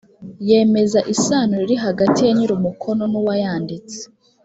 yemeza isano iri hagati ya nyir’umukono n’uwayanditse